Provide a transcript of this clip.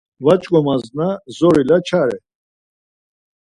Va ç̌ǩomasna zorila çare.